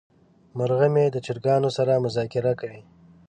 مرغه مې د چرګانو سره مذاکره کوي.